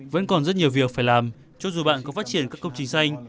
vẫn còn rất nhiều việc phải làm cho dù bạn có phát triển các công trình xanh